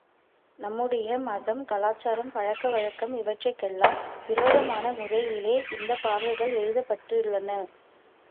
நம்முடைய மதம், கலாசாரம், பழக்கவழக்கம் இவற்றிற்கெல்லாம் விரோதமான முறையிலே இந்தப் பாடல்கள் எழுதப்பெற்றுள்ளன.